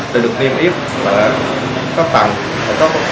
để được niêm yếp khắp tầng khắp lối vào ra khu cơ sở